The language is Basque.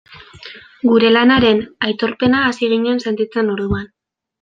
Gure lanaren aitorpena hasi ginen sentitzen orduan.